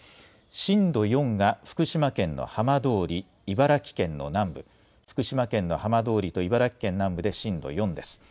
震度４が福島県の浜通り、茨城県の南部、福島県の浜通りと茨城県南部で震度４です。